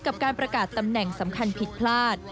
กับการประกาศตำแหน่งสำคัญผิดพลาด